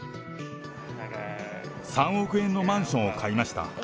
３億円のマンションを買いました。